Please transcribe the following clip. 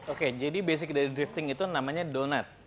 oke jadi basic dari drifting itu namanya donat